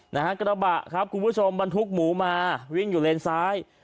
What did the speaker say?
กระบะครับคุณผู้ชมบรรทุกหมูมาวิ่งอยู่เลนซ้าย